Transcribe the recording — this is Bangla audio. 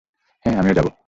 হ্যাঁ, আমিও যাবো।